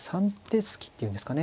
３手すきっていうんですかね